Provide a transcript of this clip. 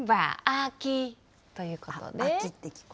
ということで。